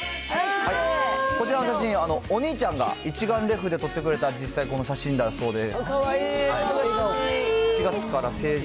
こちらの写真、お兄ちゃんが一眼レフで撮ってくれた実際、この写真だそうです。